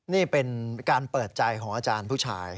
นี่เป็นการเปิดใจของอาจารย์ผู้ชาย